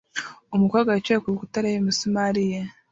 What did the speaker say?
umukobwa wicaye kurukuta areba imisumari ye